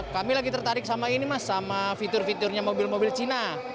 kami lagi tertarik sama ini mas sama fitur fiturnya mobil mobil cina